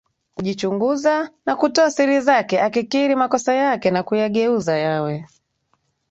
kujichunguza na kutoa siri zake akikiri makosa yake na kuyageuza yawe